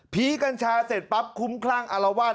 ีกัญชาเสร็จปั๊บคุ้มคลั่งอารวาส